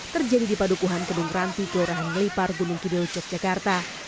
terjadi di padukuhan gedung ranti ke arahan ngelipar gunung kidul yogyakarta